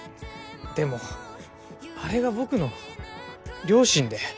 でもあれが僕の両親で。